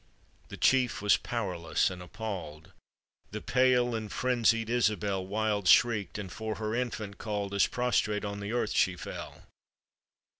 The chief was powerless and appall'd, The pale and frenzied Isabel Wild shrieked, and for her infant called, As prostrate on the earth she fell.